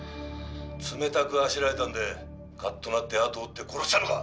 「冷たくあしらわれたんでカッとなって後を追って殺したのか？」